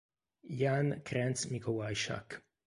Jan Krenz-Mikołajczak